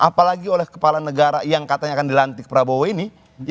apalagi oleh kepala negara yang katanya akan dilantik prabowo ini